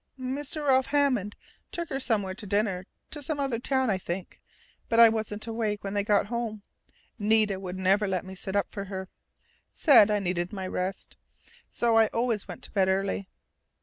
"Mr. Ralph Hammond took her somewhere to dinner, to some other town, I think, but I wasn't awake when they got home. Nita never would let me set up for her said I needed my rest. So I always went to bed early."